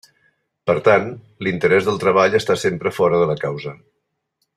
Per tant, l'interès del treball està sempre fora de la causa.